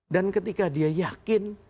dan ketika dia yakin